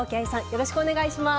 よろしくお願いします。